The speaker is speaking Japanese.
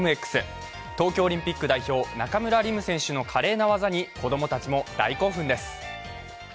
東京オリンピック代表中村輪夢選手の華麗な技に子供たちも大興奮です。